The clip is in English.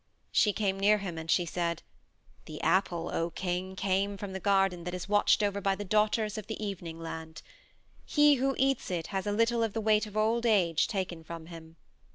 She came near him and she said: "The apple, O King, came from the garden that is watched over by the Daughters of the Evening Land. He who eats it has a little of the weight of old age taken from him.